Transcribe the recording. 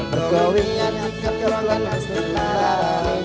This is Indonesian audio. berkawin yang ikat kewangan dan setara